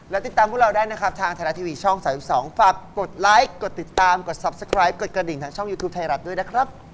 แล้วให้อาจารย์ดูว่าเป็นยังไง